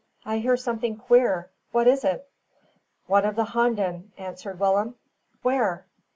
"I hear something queer. What is it?" "One of the honden," answered Willem. "Where?"